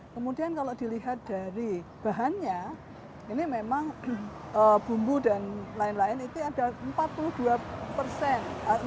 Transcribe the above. kemudian kalau dilihat dari bahannya ini memang bumbu dan lain lain itu ada empat puluh dua persen